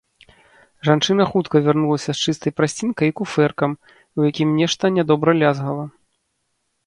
Жанчына хутка вярнулася з чыстай прастцінай і куфэркам, у якім нешта нядобра лязгала.